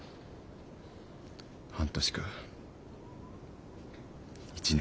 半年か１年。